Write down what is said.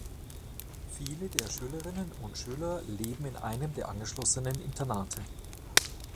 Viele der Schülerinnen und Schüler leben in einem der angeschlossenen Internate.